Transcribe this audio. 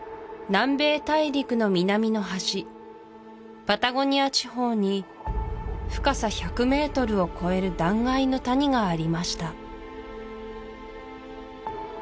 南米大陸の南の端パタゴニア地方に深さ１００メートルを超える断崖の谷がありました